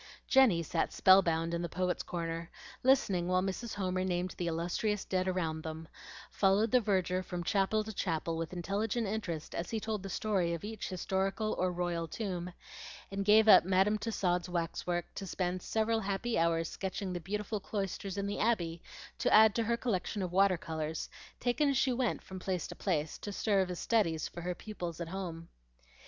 Jenny sat spellbound in the Poets' Corner, listening while Mrs. Homer named the illustrious dead around them; followed the verger from chapel to chapel with intelligent interest as he told the story of each historical or royal tomb, and gave up Madam Tussaud's wax work to spend several happy hours sketching the beautiful cloisters in the Abbey to add to her collection of water colors, taken as she went from place to place, to serve as studies for her pupils at home.